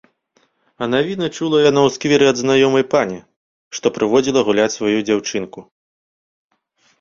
А навіны чула яна ў скверы ад знаёмае пані, што прыводзіла гуляць сваю дзяўчынку.